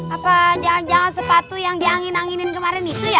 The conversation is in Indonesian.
apa jangan jangan sepatu yang diangin anginin kemarin itu ya